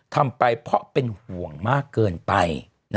ทำไปเพราะเป็นห่วงมากเกินไป